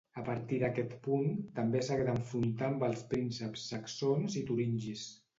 A partir d'aquest punt també s'hagué d'enfrontar amb els prínceps saxons i turingis.